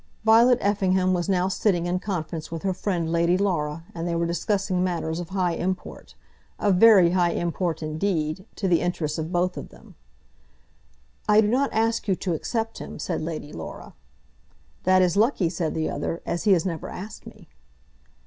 Violet Effingham was now sitting in conference with her friend Lady Laura, and they were discussing matters of high import, of very high import, indeed, to the interests of both of them. "I do not ask you to accept him," said Lady Laura. "That is lucky," said the other, "as he has never asked me."